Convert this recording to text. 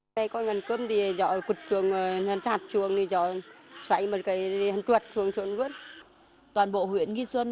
toàn bộ huyện ghi xuân cũng bị ướt